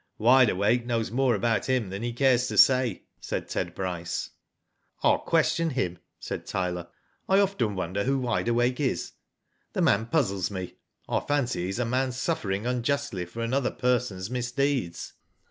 ; "Wide Awake knows more about him than he cares to say," said Ted Bryce. N 2 Digitized byGoogk i8o WHO DID ITf rU question him," said Tyler. "I often wonder who Wide Awake is. The man puzzles me. I fancy he is a man suffering unjustly for another person's misdeeds.